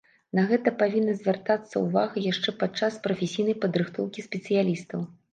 На гэта павінна звяртацца ўвага яшчэ падчас прафесійнай падрыхтоўкі спецыялістаў.